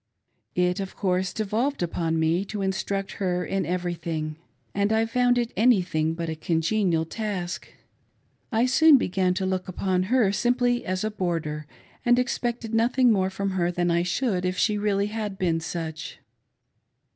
It, of course, dtvolved upon me to instruct her in everything, and I found it anything but a congenial task. I soon began to look upon her simply as a boarder, and expected nothing more from he? than I should if she had really been such.